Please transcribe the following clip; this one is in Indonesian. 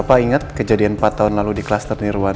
bapak ingat kejadian empat tahun lalu di klaster nirwana